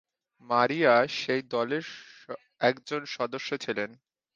মারিয়া সেই দলের একজন সদস্য ছিলেন।